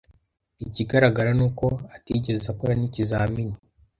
Ikigaragara ni uko atigeze akora n'ikizamini.